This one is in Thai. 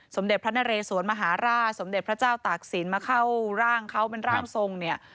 สมเด็จพระนเรสวนมหาราชสมเด็จพระเจ้าตากศิลป์มาเข้าร่างเขาเป็นร่างทรงเนี่ย